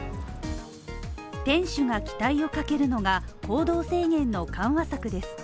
店主が期待をかけるのが行動制限の緩和策です。